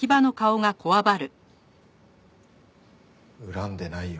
恨んでないよ。